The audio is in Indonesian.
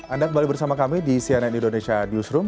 anda kembali bersama kami di cnn indonesia newsroom